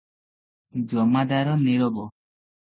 ଜମାଦାର ନୀରବ ।